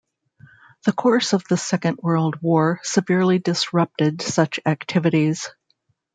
The course of the second world war severely disrupted such activities.